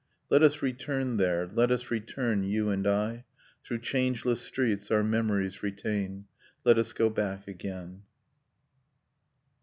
. Let us return there, let us return, you and I, Through changeless streets our memories retain, Let us go back again.